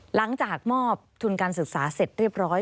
หลังจากมอบทุนการศึกษาเสร็จเรียบร้อย